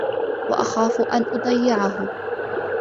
وَأَخَافُ أَنْ أُضَيِّعَهُ